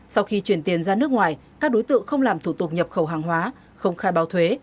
sau khi chuyển tiền ra nước ngoài các đối tượng không làm thủ tục nhập khẩu hàng hóa không khai báo thuế